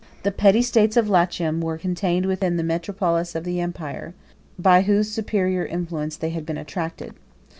The petty states of Latium were contained within the metropolis of the empire, by whose superior influence they had been attracted.